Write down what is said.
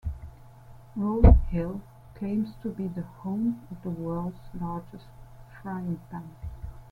Rose Hill claims to be the home of the world's largest frying pan.